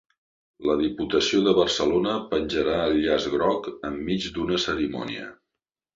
La Diputació de Barcelona penjarà el llaç groc enmig d'una cerimònia